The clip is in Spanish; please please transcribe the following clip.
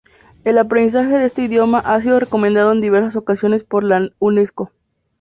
El aprendizaje de este idioma ha sido recomendado en diversas ocasiones por la Unesco.